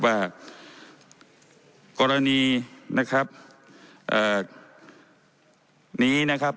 ว่ากรณีนะครับเอ่อนี้นะครับ